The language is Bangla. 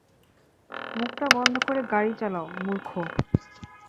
মুখটা বন্ধ করে গাড়ি চালাও, মূর্খ।